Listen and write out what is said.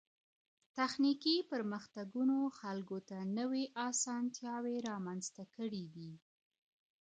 تخنيکي پرمختګونو خلګو ته نوې اسانتياوې رامنځته کړې دي.